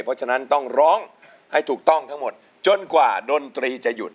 เพราะฉะนั้นต้องร้องให้ถูกต้องทั้งหมดจนกว่าดนตรีจะหยุด